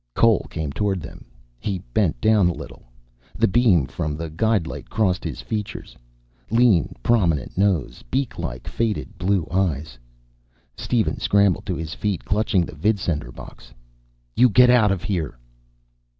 Cole came toward them. He bent down a little. The beam from the guide light crossed his features. Lean, prominent nose, beak like, faded blue eyes Steven scrambled to his feet, clutching the vidsender box. "You get out of here!"